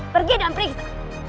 pergi dan periksa